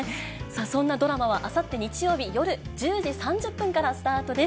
そんなドラマは、あさって日曜日夜１０時３０分からスタートです。